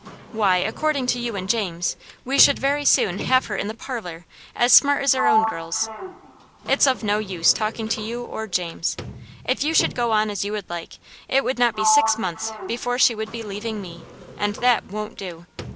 Why, according to you and James, we should very soon have her in the parlor, as smart as our own girls. It's of no use talking to you or James. If you should go on as you would like, it would not be six months before she would be leaving me; and that won't do.